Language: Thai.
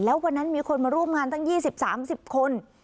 แล้ววันนั้นมีคนมาร่วมงานตั้ง๒๐๓๐คน